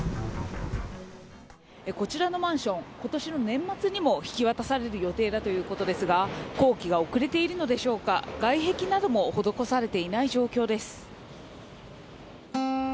こちらのマンション、ことしの年末にも引き渡される予定だということですが、工期が遅れているのでしょうか、外壁なども施されていない状況です。